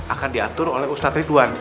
akan diatur oleh ustadz ridwan